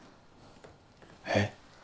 えっ？